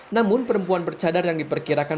namun perempuan bercadar yang diperkirakan